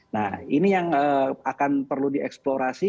nah ini yang akan perlu dieksplorasi